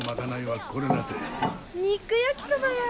肉焼きそばや！